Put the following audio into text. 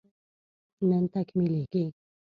نن تکميلېږي